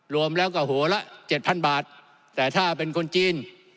รวมแล้วกับหัวละเจ็ดพันบาทแต่ถ้าเป็นคนจีน